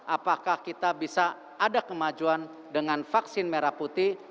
apakah kita bisa ada kemajuan dengan vaksin merah putih